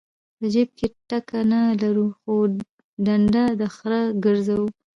په جیب کې ټکه نه لرو خو ډنډه د خره ګرځو.